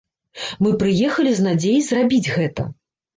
Мы прыехалі з надзеяй зрабіць гэта.